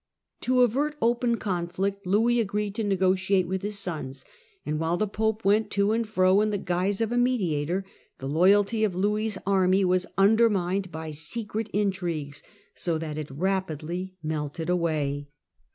To avert open con flict, Louis agreed to negotiate with his sons, and while ie Pope went to and fro in the guise of a mediator, le loyalty of Louis' army was undermined by secret itrigues, so that it rapidly melted away.